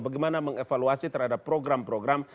bagaimana mengevaluasi terhadap program program